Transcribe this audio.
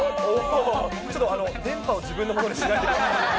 ちょっと電波を自分のものにしないでください。